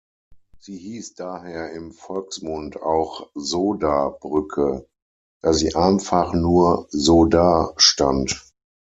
Sie hieß daher im Volksmund auch „So-Da“-Brücke, da sie einfach nur „so da“ stand.